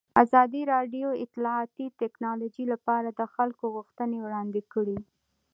ازادي راډیو د اطلاعاتی تکنالوژي لپاره د خلکو غوښتنې وړاندې کړي.